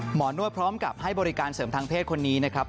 นวดพร้อมกับให้บริการเสริมทางเพศคนนี้นะครับ